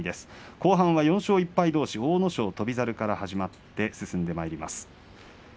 後半は１敗どうし阿武咲と翔猿から始まって進んでまいります。